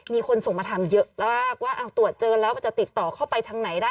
มีคนส่งมาถามเยอะมากว่าตรวจเจอแล้วจะติดต่อเข้าไปทางไหนได้